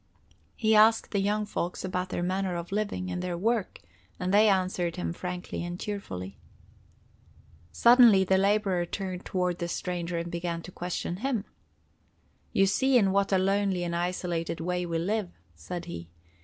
He asked the young folks about their manner of living, and their work, and they answered him frankly and cheerfully. Suddenly the laborer turned toward the stranger and began to question him. "You see in what a lonely and isolated way we live," said he.